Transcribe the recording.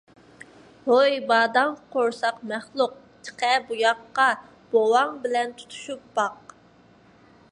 ھوي باداڭ قورساق مەخلۇق، چىقە بۇ ياققا ! بوۋاڭ بىلەن تۇتۇشۇپ باق!